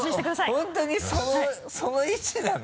本当にその位置なの？